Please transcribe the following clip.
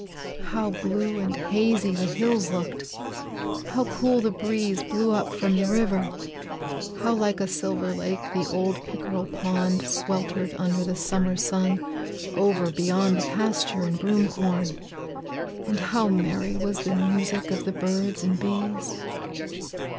"How blue and hazy the hills looked; how cool the breeze blew up from the river; how like a silver lake the old pickerel pond sweltered under the summer sun over beyond the pasture and broomcorn, and how merry was the music of the birds and bees!"